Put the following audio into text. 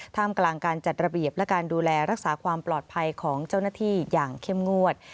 มกลางการจัดระเบียบและการดูแลรักษาความปลอดภัยของเจ้าหน้าที่อย่างเข้มงวด